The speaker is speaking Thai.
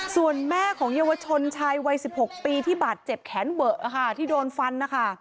ส่วนแม่ของเยาวชนชายวัย๑๖ปีที่บาดเจ็บแขนเบะค่ะที่โดนฟันนะคะ